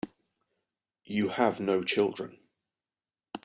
You have no children.